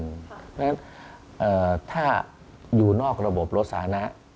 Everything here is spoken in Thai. เพราะฉะนั้นถ้าอยู่นอกระบบรถสาธารณะ